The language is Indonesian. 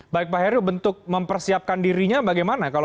baik pak heru bentuk mempersiapkan dirinya bagaimana